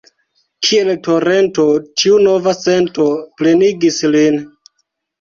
Kiel torento tiu nova sento plenigis lin.